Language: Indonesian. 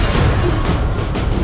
kau akan menang